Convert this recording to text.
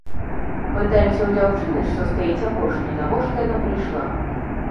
Пытаемся ў дзяўчыны, што стаіць апошняй, навошта яна прыйшла.